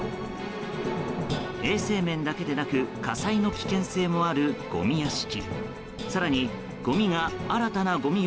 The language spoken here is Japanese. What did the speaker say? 衛生面だけでなく火災の危険性もあるごみ屋敷。